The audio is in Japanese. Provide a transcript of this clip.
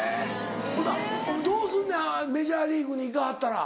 ほなどうすんねんメジャーリーグに行かはったら。